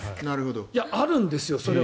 あるんです、それは。